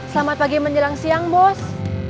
selamat pagi menjelang siang bos